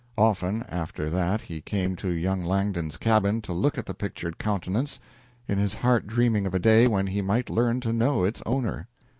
Often after that he came to young Langdon's cabin to look at the pictured countenance, in his heart dreaming of a day when he might learn to know its owner.